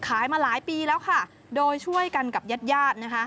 ขายมาหลายปีแล้วค่ะโดยช่วยกันกับญาติญาตินะคะ